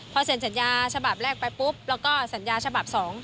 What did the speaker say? พอเซ็นสัญญาฉบับแรกไปปุ๊บแล้วก็สัญญาฉบับ๒